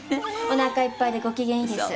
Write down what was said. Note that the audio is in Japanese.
おなかいっぱいでご機嫌いいです。